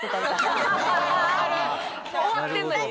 もう終わってんのに？